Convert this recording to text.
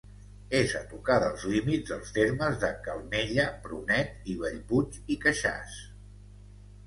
És a tocar dels límits dels termes de Calmella, Prunet i Bellpuig i Queixàs.